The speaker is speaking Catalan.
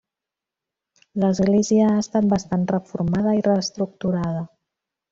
L'església ha estat bastant reformada i reestructurada.